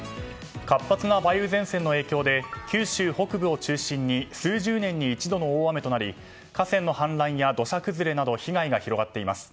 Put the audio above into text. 活発な梅雨前線の影響で九州北部を中心に数十年に一度の大雨となり河川の氾濫や土砂崩れなど被害が広がっています。